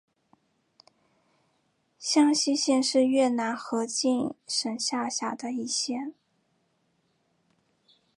香溪县是越南河静省下辖的一县。